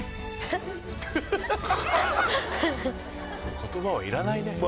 言葉はいらないね